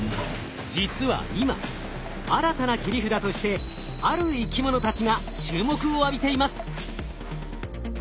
実は今新たな切り札としてある生き物たちが注目を浴びています。